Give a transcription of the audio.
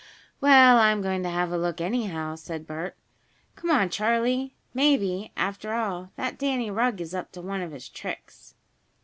"Well, I'm going to have a look, anyhow," said Bert. "Come on, Charley. Maybe, after all, that Danny Rugg is up to some of his tricks."